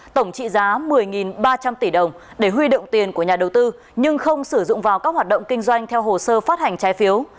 tổng trị giá một mươi ba trăm linh tỷ đồng để huy động tiền của nhà đầu tư nhưng không sử dụng vào các hoạt động kinh doanh theo hồ sơ phát hành trái phiếu